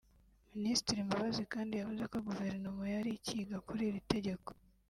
Minisitiri Mbabazi kandi yavuze ko Guverinoma yari ikiga kuri iri tegeko